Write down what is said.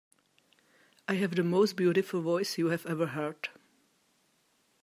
I have the most beautiful voice you have ever heard.